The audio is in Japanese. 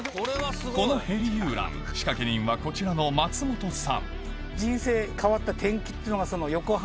このヘリ遊覧仕掛け人はこちらのそれで。